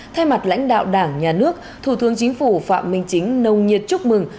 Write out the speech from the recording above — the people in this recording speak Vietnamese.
thay mặt lãnh đạo đảng nhà nước thủ tướng chính phủ phạm minh chính nồng nhiệt chúc mừng